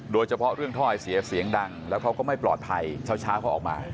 โดยเฉพาะเรื่องถ้อยเสียเสียงดังแล้วเขาก็ไม่ปลอดภัยเช้าเขาออกมา